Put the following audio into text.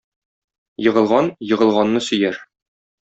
Егылган егылганны сөяр.